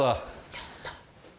ちょっと！